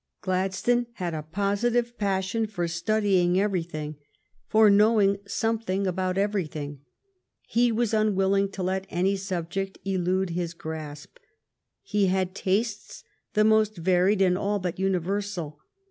Gladstone had a positive passion for studying everything, for knowing something about everything. He was unwilling to let any subject elude his grasp. He had tastes the most varied and all but universal.